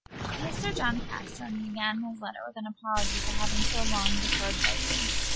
Mr. John Pastern began his letter with an apology for having so long deferred writing.